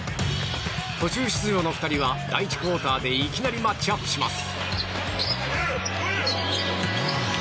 途中出場の２人は第１クオーターでいきなりマッチアップします。